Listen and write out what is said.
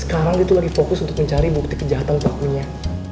sekarang itu lagi fokus untuk mencari bukti kejahatan pelakunya